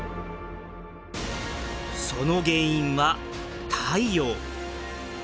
その原因は太陽。